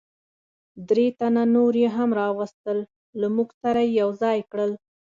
درې تنه نور یې هم را وستل، له موږ سره یې یو ځای کړل.